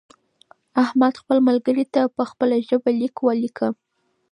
احمد خپل ملګري ته په خپله ژبه لیک ولیکه.